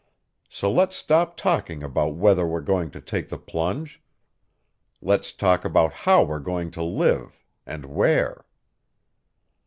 So let's stop talking about whether we're going to take the plunge. Let's talk about how we're going to live, and where."